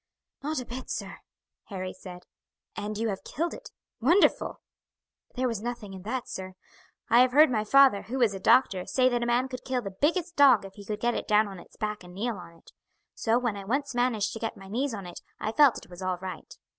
"Not a bit, sir," Harry said. "And you have killed it wonderful!" "There was nothing in that, sir. I have heard my father, who is a doctor, say that a man could kill the biggest dog if he could get it down on its back and kneel on it. So when I once managed to get my knees on it I felt it was all right."